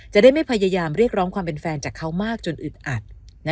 จะได้ไม่พยายามเรียกร้องความเป็นแฟนจากเขามากจนอึดอัด